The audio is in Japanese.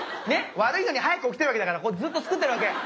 悪いのに早く起きてるわけだからこうずっと作ってるわけ。